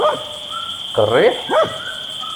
Qerriḥ?